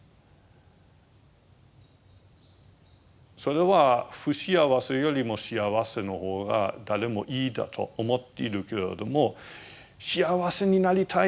それは不幸せよりも幸せの方が誰もいいだと思っているけれども幸せになりたい